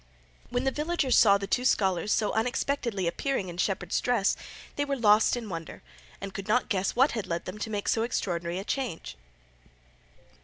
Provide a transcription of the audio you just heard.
When the villagers saw the two scholars so unexpectedly appearing in shepherd's dress, they were lost in wonder, and could not guess what had led them to make so extraordinary a change.